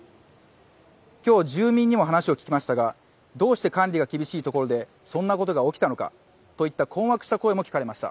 今日住民にも話を聞きましたがどうして管理が厳しいところでそんなことが起きたのかといった困惑した声も聞かれました。